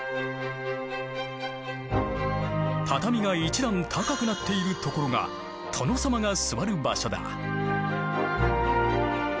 畳が一段高くなっているところが殿様が座る場所だ。